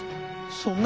「そんな！